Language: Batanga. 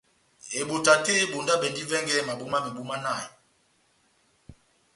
Ebota tɛ́h yé ebondabɛndi vɛngɛ mabo mámebu manahi.